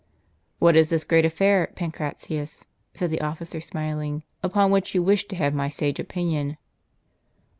"What is this great affair, Pancratius," said the officer, smiling, "upon which you wish to have my sage opinion?